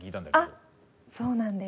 あっそうなんです！